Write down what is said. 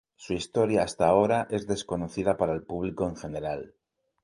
Su historia hasta ahora es desconocida para el público en general.